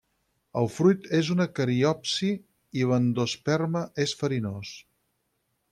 El fruit és una cariopsi, i l'endosperma és farinós.